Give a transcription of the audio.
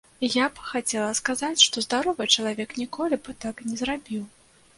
Я б хацела сказаць, што здаровы чалавек ніколі б так не зрабіў.